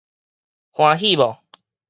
歡喜無